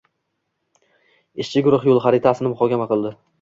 Ishchi guruh “yo‘l xaritasi”ni muhokama qildi